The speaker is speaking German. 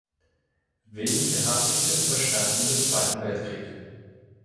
Wenige "Habichte" überstanden den Zweiten Weltkrieg.